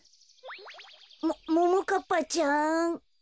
もももかっぱちゃん？